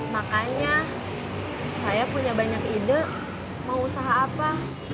makanya saya punya banyak ide mau usaha apa